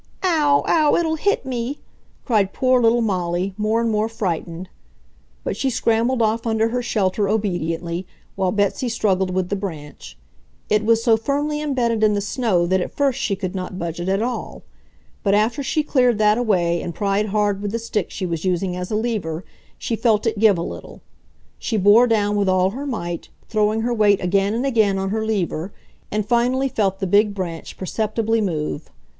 "Ow! Ow, it'll hit me!" cried poor little Molly, more and more frightened. But she scrambled off under her shelter obediently, while Betsy struggled with the branch. It was so firmly imbedded in the snow that at first she could not budge it at all. But after she cleared that away and pried hard with the stick she was using as a lever she felt it give a little. She bore down with all her might, throwing her weight again and again on her lever, and finally felt the big branch perceptibly move.